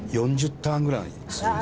ターンぐらいするんです。